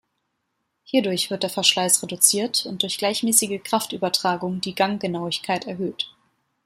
Hierdurch wird der Verschleiß reduziert und durch gleichmäßige Kraftübertragung die Ganggenauigkeit erhöht.